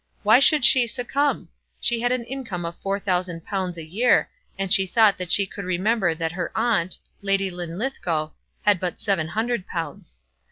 Why should she succumb? She had an income of four thousand pounds a year, and she thought that she could remember that her aunt, Lady Linlithgow, had but seven hundred pounds.